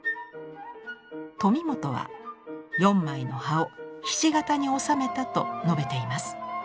富本は「４枚の葉をひし形に収めた」と述べています。